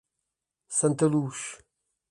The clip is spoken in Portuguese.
Santaluz